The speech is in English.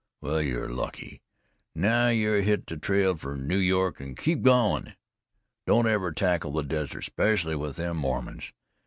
Wal, ye're lucky. Now, yer hit the trail fer New York, an' keep goin'! Don't ever tackle the desert, 'specially with them Mormons.